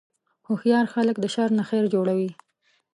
هوښیار خلک د شر نه خیر جوړوي.